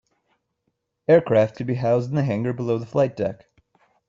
Aircraft could be housed in the hangar below the flight deck.